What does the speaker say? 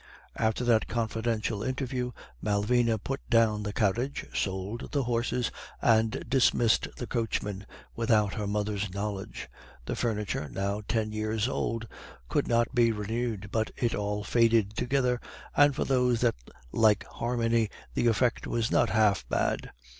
After that confidential interview, Malvina put down the carriage, sold the horses, and dismissed the coachman, without her mother's knowledge. The furniture, now ten years old, could not be renewed, but it all faded together, and for those that like harmony the effect was not half bad.